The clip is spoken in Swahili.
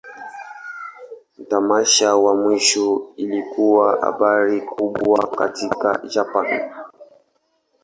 Tamasha ya mwisho ilikuwa habari kubwa katika Japan.